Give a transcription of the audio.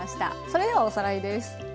それではおさらいです。